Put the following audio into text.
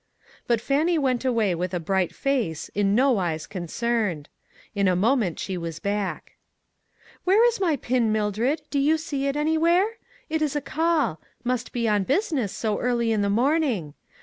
But Fannie went away with a bright 48 ONE COMMONPLACE DAY. face, in no wise concerned. In a moment she was back. " Where is my pin, Mildred, do you see it anywhere? It is a call; must be on busi ness so early in the morning.